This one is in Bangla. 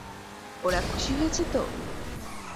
ওরা খুশি হয়েছে তো?